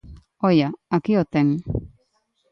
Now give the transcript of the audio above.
Oia, aquí o ten.